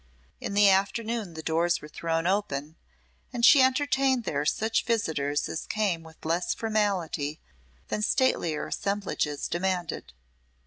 In the afternoon the doors were thrown open, and she entertained there such visitors as came with less formality than statelier assemblages demanded.